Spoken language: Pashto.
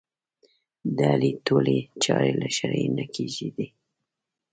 د علي ټولې چارې له شرعې نه کېږي دي.